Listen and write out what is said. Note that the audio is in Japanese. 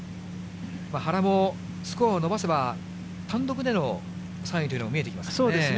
原もスコアを伸ばせば、単独での３位というのも見えてきますね。